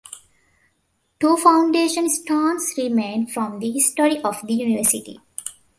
Two foundation stones remain from the history of the university.